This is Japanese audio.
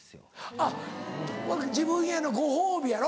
あっ自分へのご褒美やろ？